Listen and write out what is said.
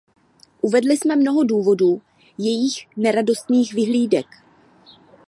Uvedli jsme mnoho důvodů jejích neradostných vyhlídek.